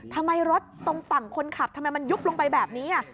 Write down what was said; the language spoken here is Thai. ทำไมรถตรงฝั่งคนขับทำไมมันยุบลงไปแบบนี้